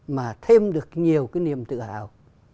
mà thêm được nhiều cái niềm tự hào